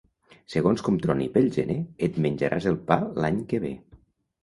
Segons com troni pel gener, et menjaràs el pa l'any que ve.